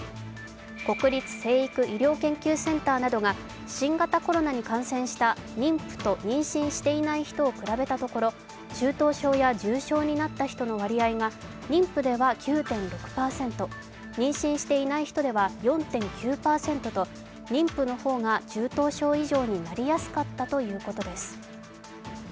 国立成育医療研究センターなどが新型コロナに感染した妊婦と妊娠していない人を比べたところ中等症や重症になった人の割合が妊婦では９．６％、妊娠していない人では４．９％と妊婦の方が中等症以上になりやすかったということです。